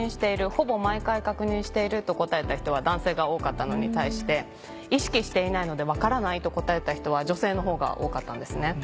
「ほぼ毎回確認している」と答えた人は男性が多かったのに対して「意識していないのでわからない」と答えた人は女性の方が多かったんですね。